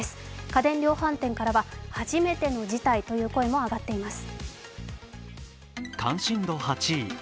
家電量販店からは、初めての事態という声も上がっています。